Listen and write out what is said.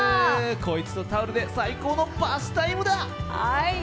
こいつとタオルで最高のバスタイムだ。